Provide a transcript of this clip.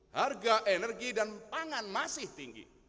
harga energi dan pangan masih tinggi